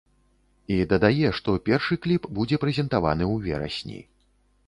І дадае, што першы кліп будзе прэзентаваны ў верасні.